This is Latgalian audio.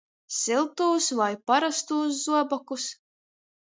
Syltūs voi parostūs zobokus?